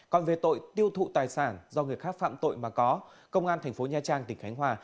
còn về tội tiêu thụ tài sản do người khác phạm tội mà có công an thành phố nha trang tỉnh khánh hòa